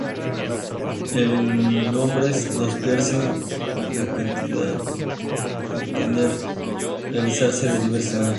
En hombres, los piercing de castidad, pueden realizarse de diversas maneras.